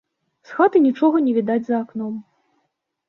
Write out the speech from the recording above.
З хаты нічога не відаць за акном.